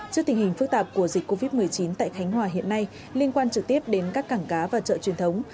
trước tình hình phức tạp của dịch covid một mươi chín tại khánh hòa hiện nay liên quan trực tiếp đến các cảng cá và chợ truyền thống